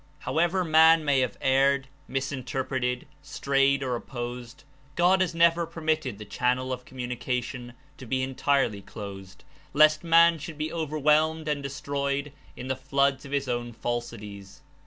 However man may have erred, misinterpreted, strayed or opposed, God has never permitted the channel of communication to be entirely closed, lest channels of man should be overwhelmed and des Communica troyed in the floods of his own falsities.